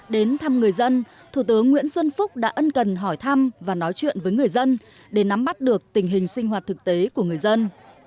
đến thăm người dân thủ tướng nguyễn xuân phúc đã ân cần hỏi thăm và nói chuyện với người dân để nắm bắt được tình hình sinh hoạt thực tế của người dân